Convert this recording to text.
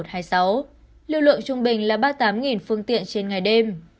lưu lượng trung bình là ba mươi tám phương tiện trên ngày đêm